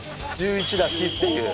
１１だしっていう。